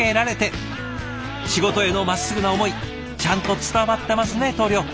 仕事へのまっすぐな思いちゃんと伝わってますね棟梁！